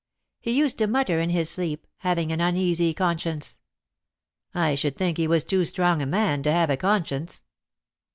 He used to mutter in his sleep, having an uneasy conscience." "I should think he was too strong a man to have a conscience."